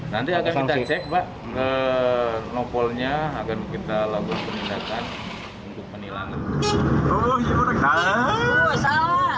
nanti akan kita cek pak ke nopolnya akan kita lakukan penindakan untuk penilangan